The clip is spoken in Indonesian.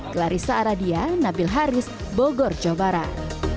clarissa aradia nabil haris bogor jawa barat